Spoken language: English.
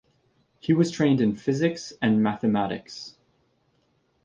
He was trained in physics and mathematics.